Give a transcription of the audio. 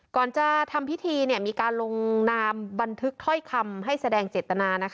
ก่อนจะทำพิธีมีการลงนามบันทึกถ้อยคำให้แสดงเจตนา